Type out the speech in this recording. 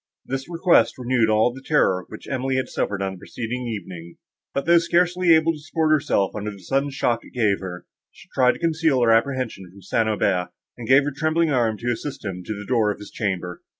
This request renewed all the terror which Emily had suffered on the preceding evening; but, though scarcely able to support herself, under the sudden shock it gave her, she tried to conceal her apprehensions from St. Aubert, and gave her trembling arm to assist him to the door of his chamber.